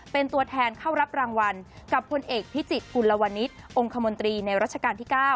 เป็นตัวแทนเข้ารับรางวัลกับพลเอกพิจิตรกุลวนิษฐ์องค์คมนตรีในรัชกาลที่๙